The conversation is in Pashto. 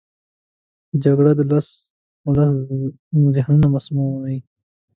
جګړه د ولس ذهنونه مسموموي